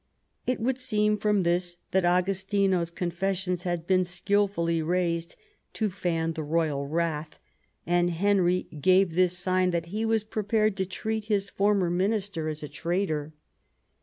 It would seem from this that Agostino's con fessions had been skilfully raised to fan . the royal wrath, and Henry gave this sign that he was prepared to treat his former minister as a traitor.